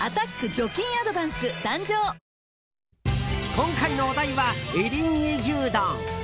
今回のお題は、エリンギ牛丼。